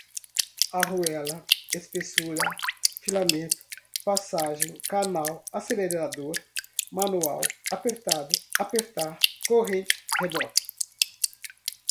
arruela, espessura, filamento, passagem, canal, acelerador, manual, apertado, apertar, corrente, reboque